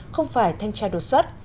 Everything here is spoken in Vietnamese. không phải thanh tra đột xuất